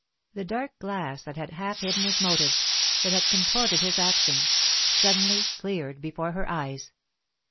The dark glass that had half hidden his motives, that had contorted his actions, suddenly cleared before her eyes.